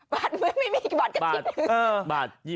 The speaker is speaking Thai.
บาทไม่มีบาทกับชิ้นหนึ่ง